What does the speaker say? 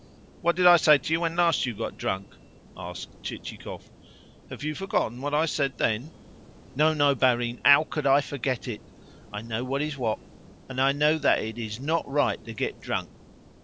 "What did I say to you when last you got drunk?" asked Chichikov. "Have you forgotten what I said then?" "No, no, barin. HOW could I forget it? I know what is what, and know that it is not right to get drunk.